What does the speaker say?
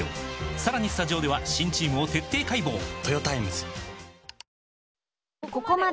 さらにスタジオでは新チームを徹底解剖！男性）